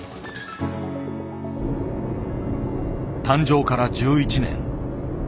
誕生から１１年。